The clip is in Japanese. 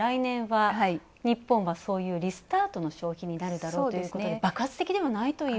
来年は日本がそういうリスタートの消費になるということで、爆発的ではないという。